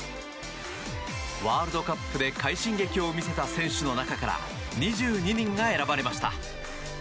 ワールドカップで快進撃を見せた選手の中から２２人が選ばれました。